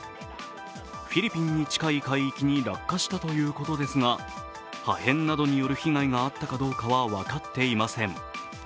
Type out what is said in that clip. フィリピンに近い海域に落下したということですが破片などによる被害があったかどうかは分かっていません。